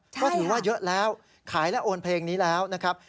ก็ถือว่าเยอะแล้วขายและโอนเพลงนี้แล้วนะครับ